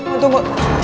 oh tuh gue